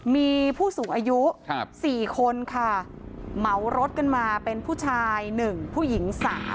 มีผู้สูงอายุ๔คนค่ะเหมารถกันมาเป็นผู้ชาย๑ผู้หญิง๓